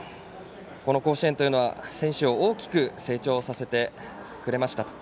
この甲子園というのは選手を大きく成長させてくれましたと。